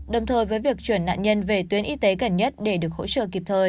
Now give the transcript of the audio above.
đồng thời với việc chuyển nạn nhân về tuyến y tế gần nhất để được hỗ trợ kịp thời